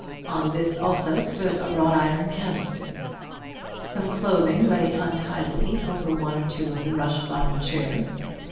On this also stood a wrought iron candlestick. Some clothing lay untidily over one of the two rush bottomed chairs.